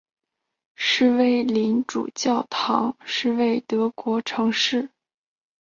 诗威林主教座堂是位于德国城市诗威林的一座主教座堂。